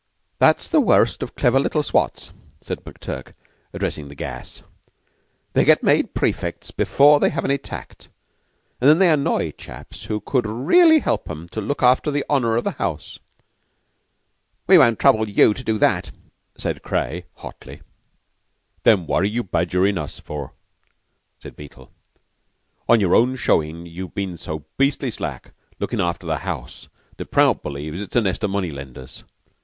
"That's the worst of clever little swots," said McTurk, addressing the gas. "They get made prefects before they have any tact, and then they annoy chaps who could really help 'em to look after the honor of the house." "We won't trouble you to do that!" said Craye hotly. "Then what are you badgerin' us for?" said Beetle. "On your own showing, you've been so beastly slack, looking after the house, that Prout believes it's a nest of money lenders.